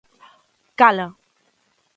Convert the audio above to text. _¡Cala!